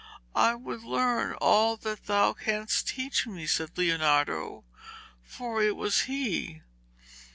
'I would learn all that thou canst teach me,' said Leonardo, for it was he.